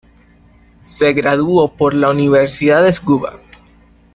Se graduó por la Universidad de Tsukuba.